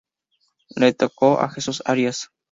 Le tocó a Jesús Arias.